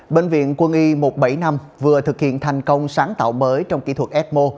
bệnh viện quân y một trăm bảy mươi năm vừa thực hiện thành công sáng tạo mới trong kỹ thuật ecmo